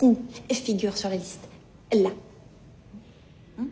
うん？